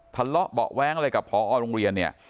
ทะเลาะเบาะแว้งอะไรกับพอโรงเรียนเนี่ย